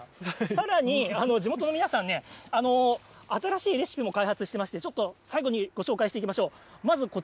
さらに地元の皆さんね、新しいレシピも開発してまして、ちょっと最後にご紹介していきましょう。